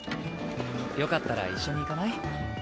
よかったら一緒に行かない？